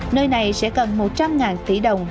nơi này sẽ cần một trăm linh tỷ đồng